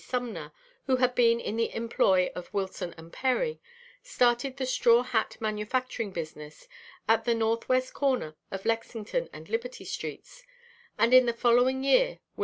Sumner, who had been in the employ of Wilson & Perry, started the straw hat manufacturing business at the N. W. corner of Lexington and Liberty streets, and in the following year Wm.